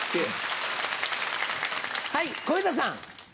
はい小遊三さん。